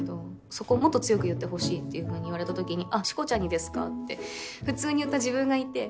そこをもっと強く言ってほしいっていうふうに言われたときにあっしこちゃんにですか？って普通に言った自分がいて。